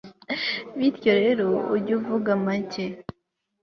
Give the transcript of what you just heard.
bityo rero ujye uvuga make